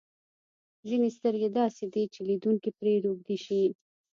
ځینې سترګې داسې دي چې لیدونکی پرې روږدی شي.